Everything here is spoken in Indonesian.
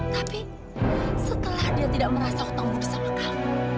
tapi setelah dia tidak merasa hutang budi sama kamu